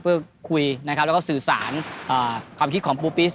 เพื่อคุยนะครับแล้วก็สื่อสารความคิดของปูปิส